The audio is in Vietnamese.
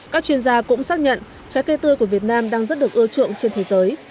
các chuyên gia cũng xác nhận trái cây tươi của việt nam đang rất được ưa chuộng trên thế giới